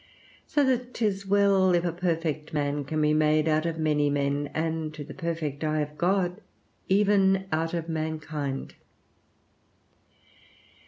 So that 'tis well if a perfect man can be made out of many men, and to the perfect eye of God, even out of mankind.